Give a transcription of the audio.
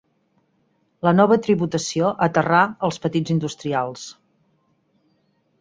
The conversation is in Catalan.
La nova tributació aterrà els petits industrials.